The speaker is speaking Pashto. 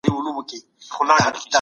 واردات د جګړي له امله په ټپه ودرېدل.